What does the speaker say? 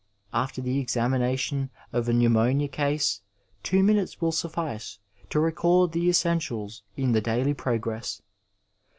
After the examination of a pneumonia case two minutes will suffice to record the essentials in the daily progress.